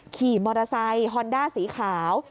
ขี่มอเตอร์ไซค์ฮอนด้าสีขาว